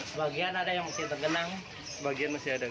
sebagian ada yang masih tergenang